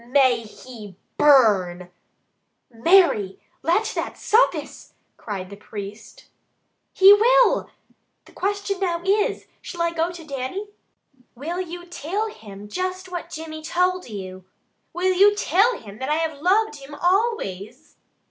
May he burn " "Mary! Let that suffice!" cried the priest. "He will! The question now is, shall I go to Dannie?" "Will you till him just what Jimmy told you? Will you till him that I have loved him always?"